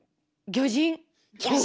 魚人？